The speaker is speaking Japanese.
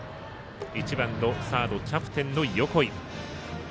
１番、サード、キャプテンの横井。